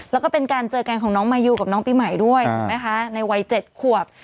แล้วก็เป็นการเจอกันของน้องมายูกับน้องปีใหม่ด้วยถูกไหมคะในวัย๗ขวบ